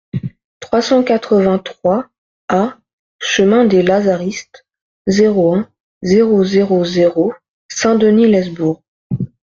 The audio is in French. trois cent quatre-vingt-trois A chemin des Lazaristes, zéro un, zéro zéro zéro Saint-Denis-lès-Bourg